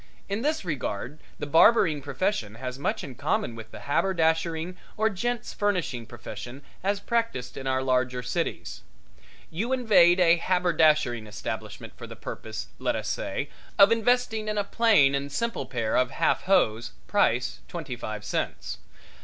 In this regard the barbering profession has much in common with the haberdashering or gents' furnishing profession as practiced in our larger cities. You invade a haberdashering establishment for the purpose, let us say, of investing in a plain and simple pair of half hose, price twenty five cents.